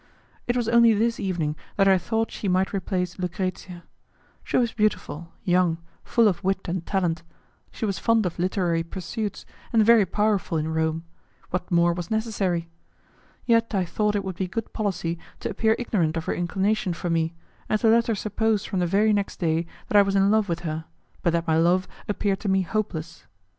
It was only this evening that I thought she might replace Lucrezia. She was beautiful, young, full of wit and talent; she was fond of literary pursuits, and very powerful in Rome; what more was necessary? Yet I thought it would be good policy to appear ignorant of her inclination for me, and to let her suppose from the very next day that I was in love with her, but that my love appeared to me hopeless.